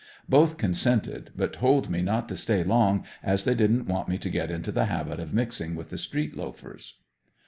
Both consented, but told me not to stay long as they didn't want me to get into the habit of mixing with the street loafers.